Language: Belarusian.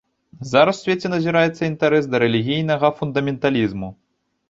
Зараз у свеце назіраецца інтарэс ды рэлігійнага фундаменталізму.